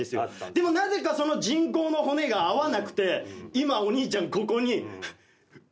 でもなぜかその人工の骨が合わなくて今お兄ちゃんここに馬の骨が。